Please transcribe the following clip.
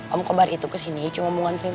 om komar itu kesini cuma mau ngasih